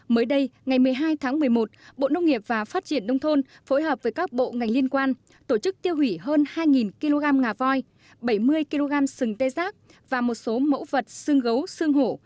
mới đây ngày một mươi hai tháng một mươi một bộ nông nghiệp và phát triển nông thôn phối hợp với các bộ ngành liên quan tổ chức tiêu hủy hơn hai kg ngà voi bảy mươi kg sừng tê giác và một số mẫu vật xương gấu xương hổ